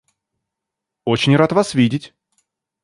Очень рад вас видеть.